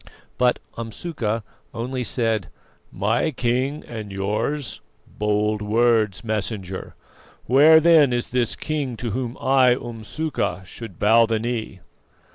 But Umsuka only said: "'My King and yours'? Bold words, Messenger. Where then is this King to whom I, Umsuka, should bow the knee?"